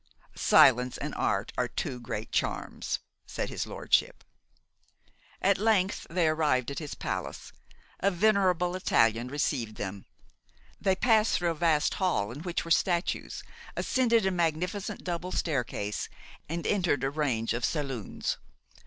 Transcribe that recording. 'Silence and art are two great charms,' said his lordship. At length they arrived at his palace. A venerable Italian received them. They passed through a vast hall, in which were statues, ascended a magnificent double staircase, and entered a range of saloons.